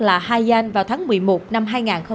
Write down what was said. là hai yan vào tháng một mươi một năm hai nghìn một mươi ba